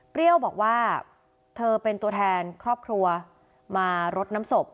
บอกว่าเธอเป็นตัวแทนครอบครัวมารดน้ำศพ